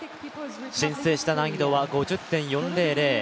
申請した難易度は５０．４００。